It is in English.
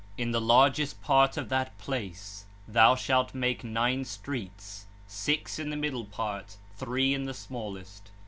30 (87). In the largest part of the place thou shalt make nine streets, six in the middle part, three in the smallest.